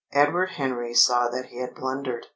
Edward Henry saw that he had blundered.